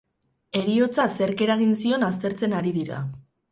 Heriotza zerk eragin zion aztertzen ari dira.